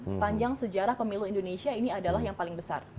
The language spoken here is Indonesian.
sepanjang sejarah pemilu indonesia ini adalah yang paling besar